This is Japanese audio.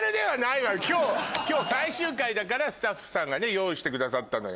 今日最終回だからスタッフさんが用意してくださったのよ。